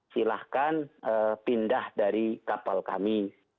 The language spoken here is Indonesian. silahkan pindah dari kapal kami